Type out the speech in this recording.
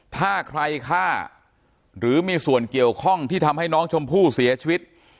ถ้าใครฆ่าหรือมีส่วนเกี่ยวข้องที่ทำให้น้องชมพู่เสียชีวิต